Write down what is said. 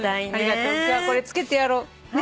今日はこれつけてやろう。